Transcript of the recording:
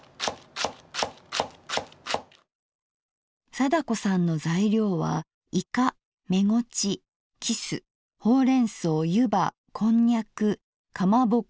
貞子さんの材料はいかめごちきすほうれん草ゆばコンニャクかまぼこ